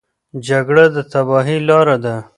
جګړه د تباهۍ لاره ده.